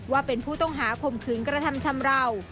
ว่าเป็นผู้ต้องหาข่มขืนกระทำชำราว